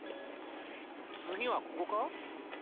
次はここか？